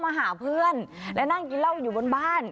มาหาเพื่อนและนั่งกินเหล้าอยู่บนบ้าน